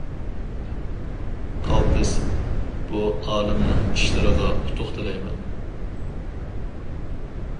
قالتىس. بۇ ئالىمنىڭ ئىشلىرىغا ئۇتۇق تىلەيمەن.